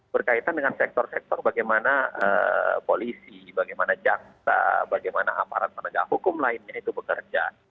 berkaitan dengan sektor sektor bagaimana polisi bagaimana jaksa bagaimana aparat penegak hukum lainnya itu bekerja